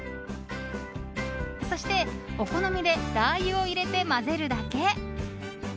そして、お好みでラー油を入れて混ぜるだけ。